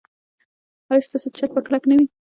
ایا ستاسو چت به کلک نه وي؟